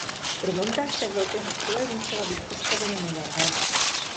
Pro montáž tak velkého stroje musela být postavena nová hala.